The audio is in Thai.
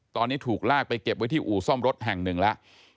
ตอนนี้ถูกลากไปเก็บไว้ที่อู่ซ่อมรถแห่งหนึ่งแล้ว